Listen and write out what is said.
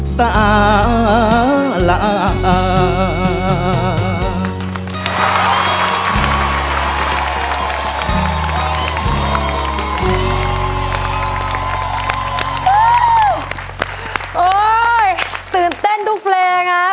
สาหร่า